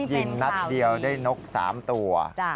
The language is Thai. ยิงนัดเดียวได้นก๓ตัว